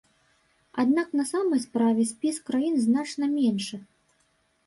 Аднак на самай справе спіс краін значна меншы.